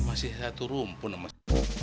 masih satu rumpun mas